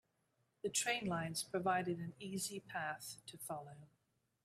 The train lines provided an easy path to follow.